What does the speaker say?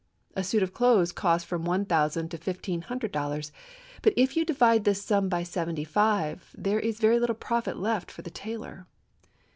A suit of clothes cost from one thousand to fifteen hundred dollars ; but if you divide this sum by seventy five, there is very little profit left for the tailor.